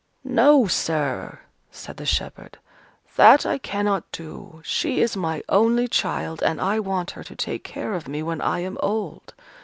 "No, sire," said the shepherd, "that I cannot do. She is my only child, and I want her to take care of me when I am old.